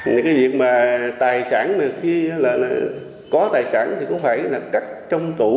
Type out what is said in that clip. những cái việc mà tài sản khi có tài sản thì cũng phải cắt trong tủ